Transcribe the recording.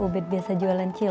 gak mau main kece